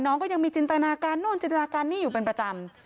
น้องก็ยังมีจินตนาการโน่นจินตนาการนี่อยู่เป็นประจำ